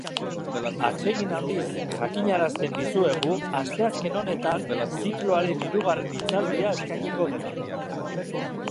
Atsegin handiz jakinarazten dizuegu asteazken honetan zikloaren hirugarren hitzaldia eskainiko dela.